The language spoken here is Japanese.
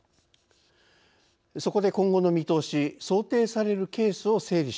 そこで今後の見通し想定されるケースを整理してみます。